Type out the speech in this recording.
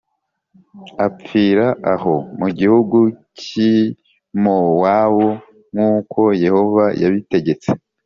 apfira aho mu gihugu cy’i Mowabu nk’uko Yehova yabitegetse.